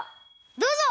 どうぞ！